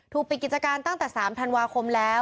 ปิดกิจการตั้งแต่๓ธันวาคมแล้ว